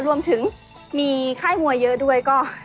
รวมถึงมีไคร่มวยเยอะด้วย